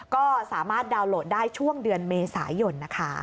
ก็สามารถดาวน์โหลดได้ช่วงเดือนเมษายนนะคะ